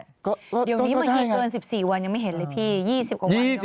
เดี๋ยวนี้มันที่เกิน๑๔วันยังไม่เห็นเลยพี่